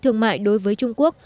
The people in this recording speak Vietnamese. thương mại đối với trung quốc